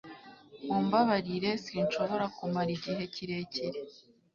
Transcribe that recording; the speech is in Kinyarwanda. mumbabarire, sinshobora kumara igihe kirekire